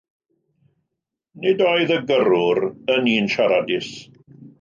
Nid oedd y gyrrwr yn un siaradus.